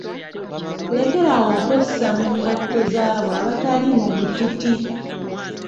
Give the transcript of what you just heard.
Lekeraawo okwessa mu ngatto z'abo abali mu butiti.